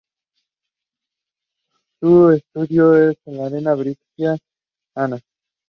Su estadio es el Arena da Baixada.